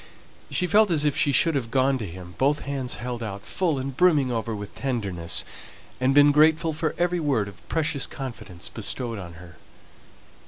She felt as if she should have gone to him both hands held out, full and brimming over with tenderness, and been grateful for every word of precious confidence bestowed on her.